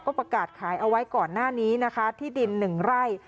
ประกาศขายเอาไว้ก่อนหน้านี้นะคะที่ดิน๑ไร่